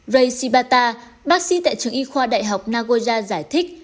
ray shibata bác sĩ tại trường y khoa đại học nagoya giải thích